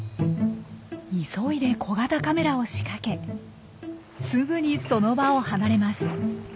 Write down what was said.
急いで小型カメラを仕掛けすぐにその場を離れます。